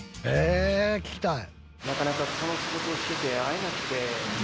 「え聞きたい」